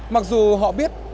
mặc dù họ biết